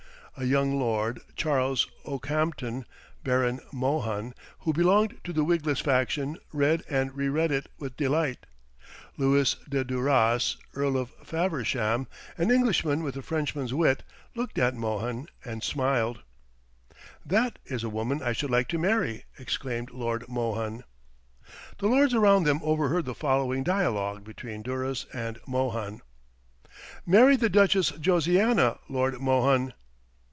A young lord, Charles Okehampton, Baron Mohun, who belonged to the wigless faction, read and re read it with delight. Lewis de Duras, Earl of Faversham, an Englishman with a Frenchman's wit, looked at Mohun and smiled. "That is a woman I should like to marry!" exclaimed Lord Mohun. The lords around them overheard the following dialogue between Duras and Mohun: "Marry the Duchess Josiana, Lord Mohun!"